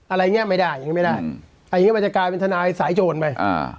อะไรอย่างนี้ไม่ได้อย่างนี้มันจะกลายเป็นธนายสายโจรไป